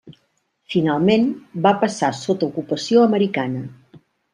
Finalment va passar sota ocupació americana.